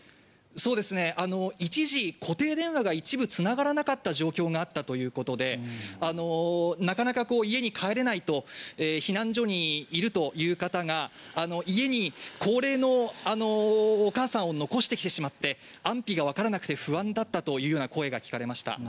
一時、固定電話が一部繋がらなかった状況があるということで、なかなか家に帰れないと避難所にいるという方が家に高齢のお母さんを残してきてしまって、安否がわからなくて不安だったというような声が聞かれました。